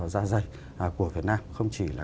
da dày của việt nam không chỉ là